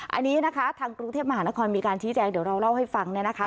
อันนี้นะคะทางกรุงเทพมหานครมีการชี้แจงเดี๋ยวเราเล่าให้ฟังเนี่ยนะคะ